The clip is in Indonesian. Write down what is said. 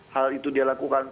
hal itu dia lakukan